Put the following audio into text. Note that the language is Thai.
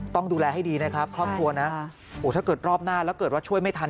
ต้องดูแลให้ดีนะครับครอบครัวนะโอ้ถ้าเกิดรอบหน้าแล้วเกิดว่าช่วยไม่ทัน